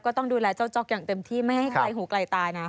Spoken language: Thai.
ต้องดูแลเจ้าจ๊อกอย่างเต็มที่ไม่ให้ใครหูไกลตายนะ